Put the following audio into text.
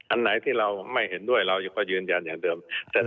อันไหนที่เราไม่เห็นด้วยเราก็ยืนยันอย่างเดิม